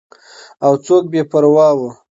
او څوک بې پروا وو.